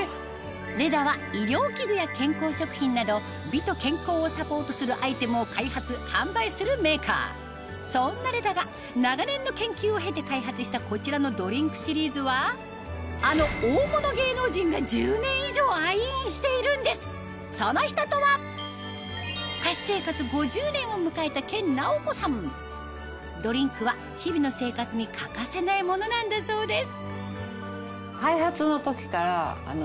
レダは医療器具や健康食品など美と健康をサポートするアイテムを開発販売するメーカーそんなレダが長年の研究を経て開発したこちらのドリンクシリーズはあのその人とはドリンクは日々の生活に欠かせないものなんだそうです